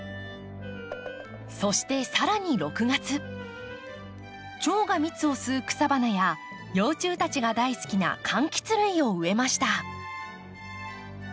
そして更に６月チョウが蜜を吸う草花や幼虫たちが大好きなかんきつ類を植えました。